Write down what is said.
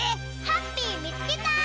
ハッピーみつけた！